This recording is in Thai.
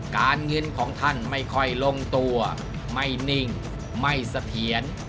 การเงินของท่านไม่ค่อยลงตัวไม่นิ่งไม่เสถียร